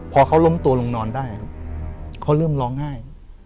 พอเขาล้มตัวลงนอนได้ครับเขาเริ่มร้องไห้